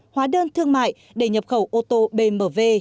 hóa đơn thương mại để nhập khẩu ô tô bmw